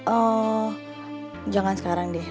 oh jangan sekarang deh